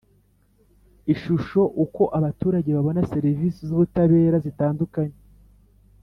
Ishusho uko abaturage babona serivisi z ubutabera zitandukanye